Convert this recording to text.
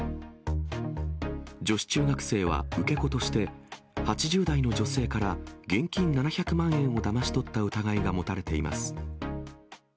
女子中学生は受け子として、８０代の女性から現金７００万円をだまし取った疑いが持たれています。